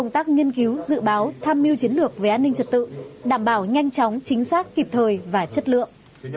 tăng chóng chính xác kịp thời và chất lượng